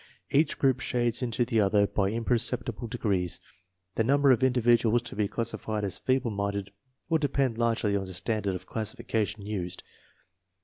Each group shades into the other by imperceptible degrees. The num ber of individuals to be classified as feeble minded will depend largely on the standard of classification used.